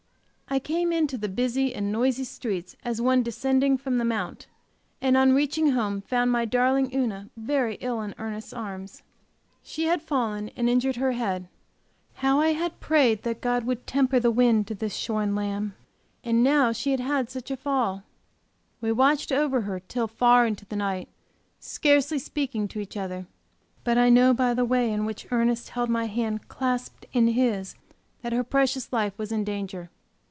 I came into the busy and noisy streets as one descending from the mount, and on reaching home found my darling Una very ill in Ernest's arms. She had fallen, and injured her head. How I had prayed that God would temper the wind to this shorn lamb, and now she had had such a fall! We watched over her till far into the night, scarcely speaking to each other, but I know by the way in which Ernest held my hand clasped in his that her precious life was in danger.